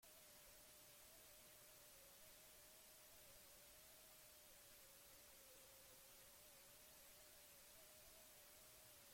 Dropbox bidez fitxategi bat partekatzean, fitxategia Dropboxi partekatzen ari da.